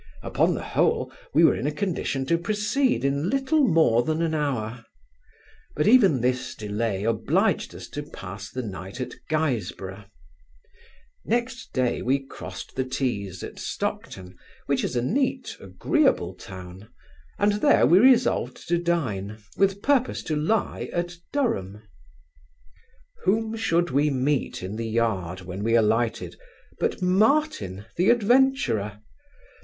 Upon the whole, we were in a condition to proceed in little more than an hour; but even this delay obliged us to pass the night at Gisborough Next day we crossed the Tees at Stockton, which is a neat agreeable town; and there we resolved to dine, with purpose to lie at Durham. Whom should we meet in the yard, when we alighted, but Martin the adventurer?